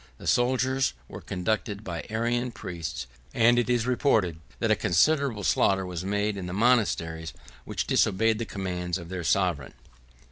The soldiers were conducted by Arian priests; and it is reported, that a considerable slaughter was made in the monasteries which disobeyed the commands of their sovereign.